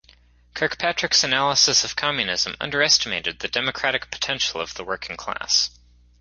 Kirkpatrick's analysis of communism underestimated the democratic potential of the working class.